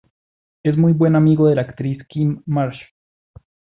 Es muy buen amigo de la actriz Kym Marsh.